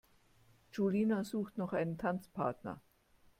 Julina sucht noch einen Tanzpartner.